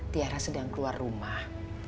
tiara sedang keluar rumah